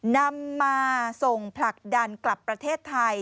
นำมาส่งผลักดันกลับประเทศไทย